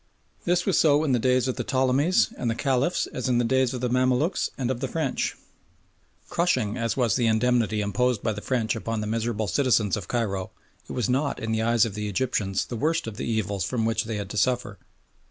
This was so in the days of the Ptolemies and of the Caliphs as in the days of the Mamaluks and of the French. Crushing as was the indemnity imposed by the French upon the miserable citizens of Cairo, it was not in the eyes of the Egyptians the worst of the evils from which they had to suffer.